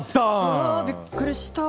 うわびっくりした。